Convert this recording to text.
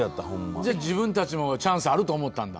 じゃあ、自分たちもチャンスあると思ったんだ。